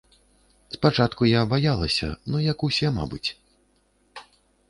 Спачатку я баялася, ну, як усе, мабыць.